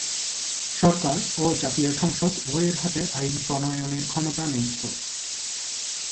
সরকার ও জাতীয় সংসদ উভয়ের হাতে আইন প্রণয়নের ক্ষমতা ন্যস্ত।